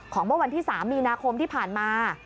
เมื่อวันที่๓มีนาคมที่ผ่านมา